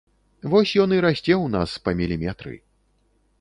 Вось ён і расце ў нас па міліметры.